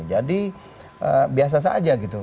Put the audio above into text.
jadi biasa saja gitu